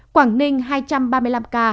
quảng ninh hai trăm ba mươi năm ca